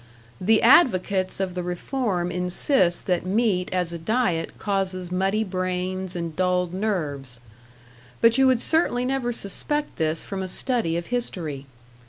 The advocates of the reform insist that meat as a diet causes muddy brains and dulled nerves; but you would certainly never suspect this from a study of history.